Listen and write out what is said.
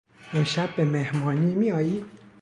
امشب به مهمانی میآیی؟